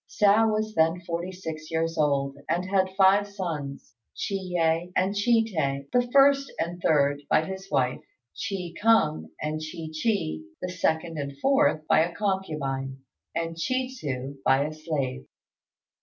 Hsiao was then forty six years old, and had five sons; Chi yeh and Chi tê, the first and third, by his wife; Chi kung and Chi chi, the second and fourth, by a concubine; and Chi tsu, by a slave.